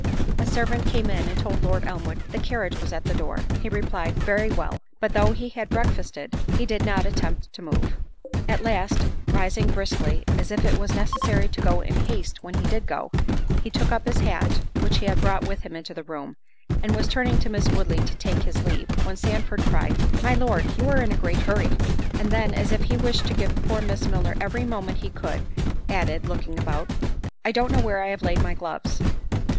A servant came in, and told Lord Elmwood, "The carriage was at the door." He replied, "Very well." But though he had breakfasted, he did not attempt to move. At last, rising briskly, as if it was necessary to go in haste when he did go; he took up his hat, which he had brought with him into the room, and was turning to Miss Woodley to take his leave, when Sandford cried, "My Lord, you are in a great hurry." And then, as if he wished to give poor Miss Milner every moment he could, added, (looking about) "I don't know where I have laid my gloves."